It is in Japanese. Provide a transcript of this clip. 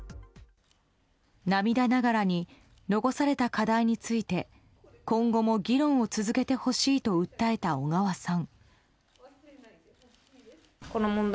涙ながらに残された課題について今後も議論を続けてほしいと訴えた小川さん。